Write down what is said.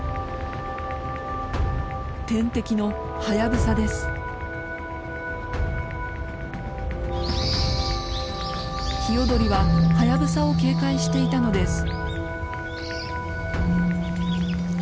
天敵のヒヨドリはハヤブサを警戒していたのです。